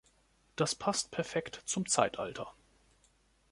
Das passt perfekt zum Zeitalter.